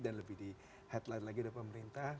dan lebih di headline lagi oleh pemerintah